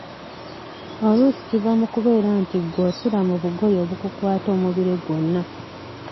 Oluusi kiva mu kubeera nti ggwe osula mu bugoye obukukwata omubiri gwonna.